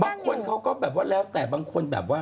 บางคนเขาก็แบบว่าแล้วแต่บางคนแบบว่า